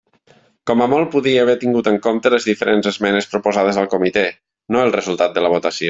Com a molt podia haver tingut en compte les diferents esmenes proposades al comitè, no el resultat de la votació.